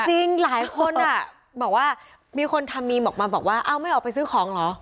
จริงหลายคนบอกว่ามีคนทำมีมออกมาบอกว่าเอ้าไม่ออกไปซื้อของเหรอ